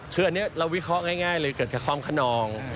คืออันนี้เราวิเคราะห์ง่ายเลยเกิดกับความขนอง